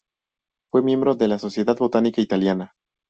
Fue miembro de la "Sociedad botánica italiana"